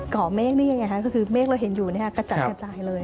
ก่อเมฆนี่ยังไงคือเมฆเราเห็นอยู่กระจัดเลย